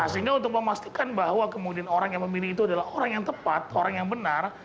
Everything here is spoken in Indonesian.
sehingga untuk memastikan bahwa kemudian orang yang memilih itu adalah orang yang tepat orang yang benar